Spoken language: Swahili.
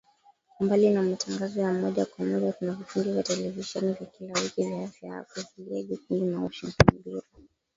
Mbali na matangazo ya moja kwa moja tuna vipindi vya televisheni vya kila wiki vya Afya Yako, Zulia Jekundu na Washingotn Bureau